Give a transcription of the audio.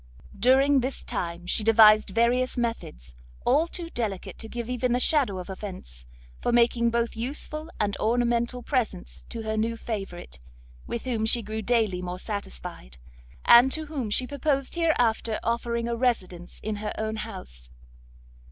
During this time she devised various methods, all too delicate to give even the shadow of offence, for making both useful and ornamental presents to her new favourite, with whom she grew daily more satisfied, and to whom she purposed hereafter offering a residence in her own house.